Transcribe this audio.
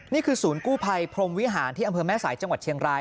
นี่คือศูนย์กู้ภัยพรมวิหารที่อำเภอแม่สายจังหวัดเชียงราย